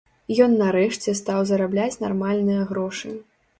Ён нарэшце стаў зарабляць нармальныя грошы.